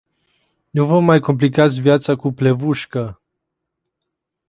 Nu vă mai complicați viața cu plevușcă.